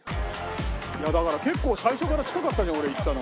だから結構最初から近かったじゃん俺言ったの。